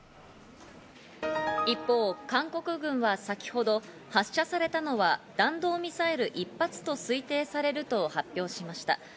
一方、韓国軍は先ほど発射されたのは弾道ミサイル１発と推定されると発表しました。